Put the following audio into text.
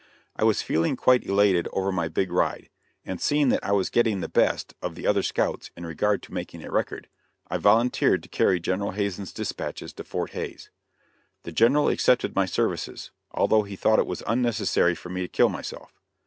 I was feeling quite elated over my big ride; and seeing that I was getting the best of the other scouts in regard to making a record, I volunteered to carry General Hazen's dispatches to Fort Hays. The General accepted my services, although he thought it was unnecessary for me to kill myself.